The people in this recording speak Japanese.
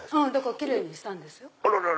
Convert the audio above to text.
キレイにしたんですよ。